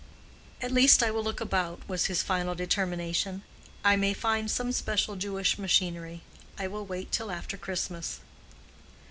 "At least, I will look about," was his final determination. "I may find some special Jewish machinery. I will wait till after Christmas."